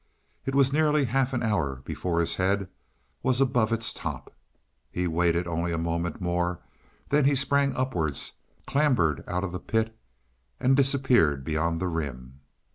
It was nearly half an hour before his head was above its top. He waited only a moment more, then he sprang upwards, clambered out of the pit and disappeared beyond the rim.